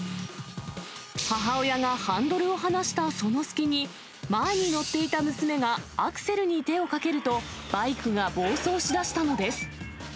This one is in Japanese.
母親がハンドルを放したその隙に、前に乗っていた娘がアクセルに手をかけると、バイクが暴走しだしたのです。